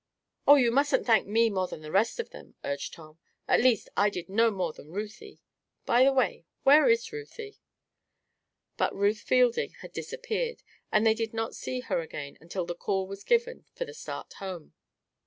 "Oh, you mustn't thank me more than the rest of them," urged Tom. "At least, I did no more than Ruthie. By the way, where is Ruthie?" But Ruth Fielding had disappeared, and they did not see her again until the call was given for the start home.